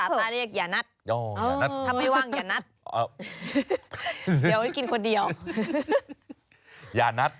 อืมบักนัด